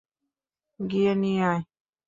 গিয়ে নিয়ে আয়।